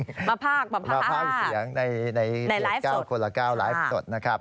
มาภาคมาภาคเสียงในเพจ๙คนละ๙ไลฟ์สดนะครับ